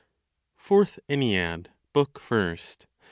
FOURTH ENNEAD, BOOK FIRST.